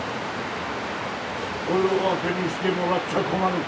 俺を当てにしてもらっちゃ困る。